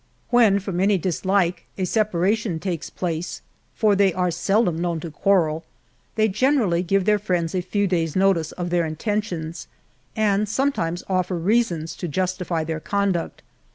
When from any dislike a separation takes place, for they are seldom known to quarrel, they generally give their friends a few days notice of their intentions, and sometimes offer reasons to justify their conduct.